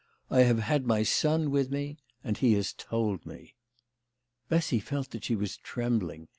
" I have had my son with me and he has told me." Bessy felt that she was trembling.